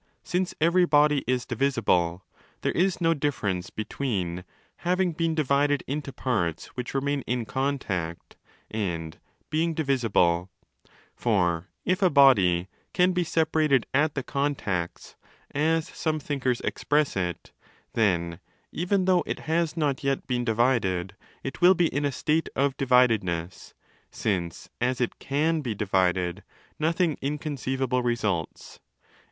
since every body is divisible, there is no difference be tween 'having been divided into parts which remain in contact' and 'being divisible'. For if a body 'caz be separated at the contacts' (as some thinkers express it), then, even though it has not yet been divided, it will be in a state of dividedness—since, as it caw be divided, nothing inconceivable results.?